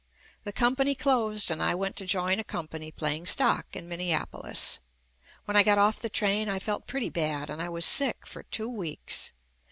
The company closed and I went to join a company playing stock in Minneapolis. When I got off the train I felt pretty bad, and I was sick for two weeks.